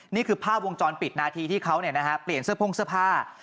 นี่คือภาพวงจรปิดนาทีที่เขาเปลี่ยนเสื้อโพ่งเสื้อผ้า